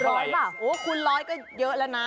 คุณร้อยป่ะโอ้โฮคุณร้อยก็เยอะแล้วน๊า